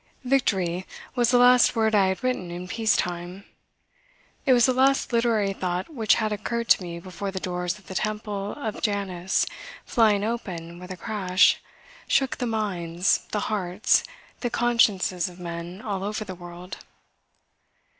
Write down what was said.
"Victory" was the last word I had written in peace time. It was the last literary thought which had occurred to me before the doors of the Temple of Janus flying open with a crash shook the minds, the hearts, the consciences of men all over the world.